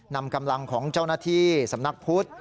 นำกำลังของเจ้าหน้าที่สำนักพุทธ